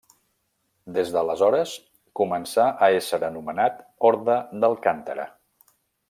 Des d'aleshores començà a ésser anomenat Orde d'Alcántara.